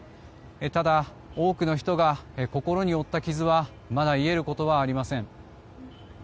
ただ、多くの人が心に負った傷はまだ癒えることはありません。